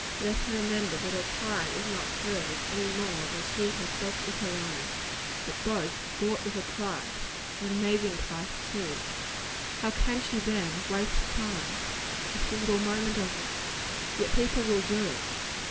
Let her remember that her time is not hers, any more than she herself is her own; that both are "bought with a price" an amazing price, too! How can she, then, waste time a single moment of it? Yet people will do it.